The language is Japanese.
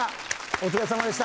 お疲れさまでした。